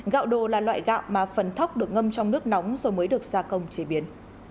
gạo đồ là loại gạo mà phần thóc được ngâm trong nước nóng rồi mới được gia công chế biến